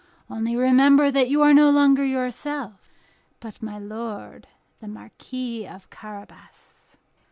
Only remember that you are no longer yourself, but my lord the Marquis of Carabas."